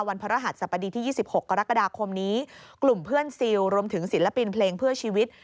พระรหัสสบดีที่๒๖กรกฎาคมนี้กลุ่มเพื่อนซิลรวมถึงศิลปินเพลงเพื่อชีวิต